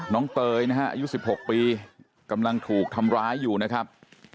เตยนะฮะอายุ๑๖ปีกำลังถูกทำร้ายอยู่นะครับ